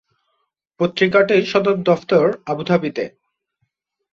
পত্রিকাটির সদর দফতর আবুধাবিতে।